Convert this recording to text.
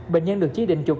bệnh nhân được chí định chụp